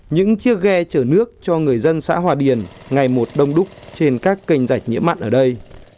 những chiếc ghe chở nước cho người dân xã hòa điền ngày một đông đúc trên các kênh dạch nhiễm mặn ở đây